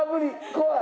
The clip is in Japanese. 怖い！